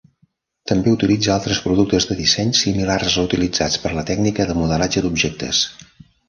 També utilitza altres productes de disseny similars als utilitzats per la tècnica de modelatge d'objectes.